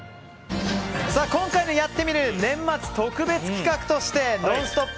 今回の「やってみる。」年末特別企画として「ノンストップ！」